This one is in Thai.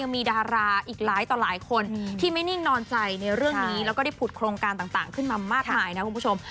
มีดาราอีกหลายต่อหลายคนที่ไม่นิ่งนอนใจในเรื่องนี้แล้วก็ได้ผุดโครงการต่างขึ้นมามากมายนะคุณผู้ชม